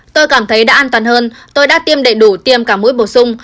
tôi cảm thấy đã an toàn hơn tôi đã tiêm đầy đủ tiêm cả mũi bổ sung